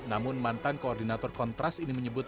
namun mantan koordinator kontras ini menyebut